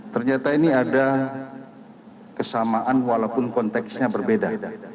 ternyata ini ada kesamaan walaupun konteksnya berbeda